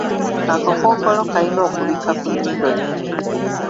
Akakookolo kalina okubikka ku nnyindo n’emimwa.